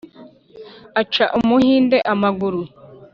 aca umuhunde amaguru.